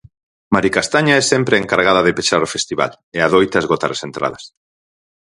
Maricastaña é sempre a encargada de pechar o festival, e adoita esgotar as entradas.